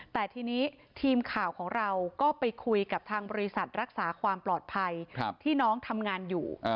แต่ทีนี้ทีมข่าวของเราก็ไปคุยกับทางบริษัทรักษาความปลอดภัยที่น้องทำงานอยู่